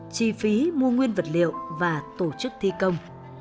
chi phí mua nguyên vật liệu và tổ chức thi công